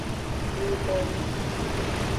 Mi bonu.